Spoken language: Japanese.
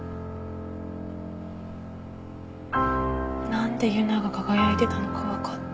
何で佑奈が輝いてたのか分かった。